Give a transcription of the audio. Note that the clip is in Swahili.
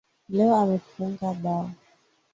Leo amefunga bao